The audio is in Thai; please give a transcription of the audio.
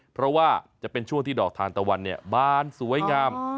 เพราะว่าจะเป็นช่วงที่ดอกทานตะวันเนี่ยบานสวยงาม